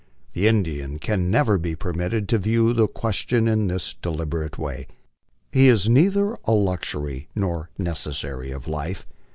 The Indian can never be permitted to view the ques tion in this deliberate way. He is neither a luxury nor necessary of life.